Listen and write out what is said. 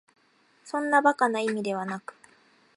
そんな馬鹿な意味ではなく、